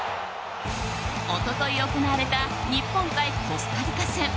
一昨日行われた日本対コスタリカ戦。